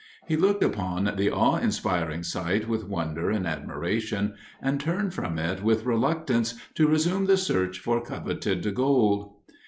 He looked upon the "awe inspiring sight with wonder and admiration, and turned from it with reluctance to resume the search for coveted gold."